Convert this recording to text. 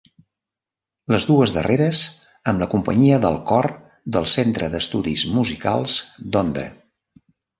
Les dues darreres amb la companyia del Cor del Centre d'Estudis Musicals d'Onda.